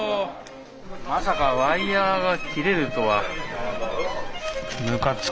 まさかワイヤーが切れるとは。